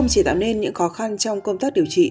chỉ tạo nên những khó khăn trong công tác điều trị